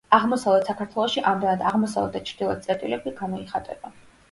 აღმოსავლეთ საქართველოში ამდენად აღმოსავლეთ და ჩრდილოეთ წერტილები გამოიხატება.